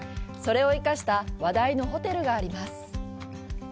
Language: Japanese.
それを生かした話題のホテルがあります。